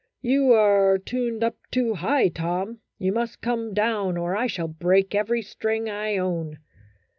" You are tuned up too high, Tom ; you must come down, or I shall break every string I own."